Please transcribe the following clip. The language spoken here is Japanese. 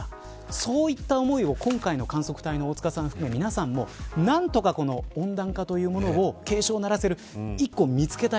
そういった思いを今回の観測隊の大塚さん含め皆さんも何とか温暖化というものを警鐘を鳴らせる一個を見つけたい